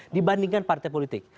dibandingkan partai politik